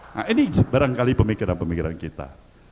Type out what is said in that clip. nah ini barangkali pemikiran pemikiran kita